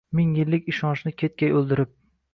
Ming yillik ishonchni ketgay o’ldirib.